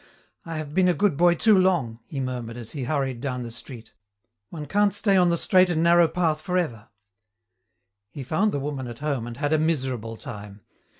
"I have been a good boy too long," he murmured as he hurried down the street. "One can't stay on the straight and narrow path for ever." He found the woman at home and had a miserable time.